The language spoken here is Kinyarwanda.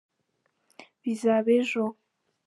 bizaba ejo.